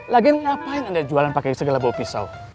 lagi ngapain anda jualan pakai segala bau pisau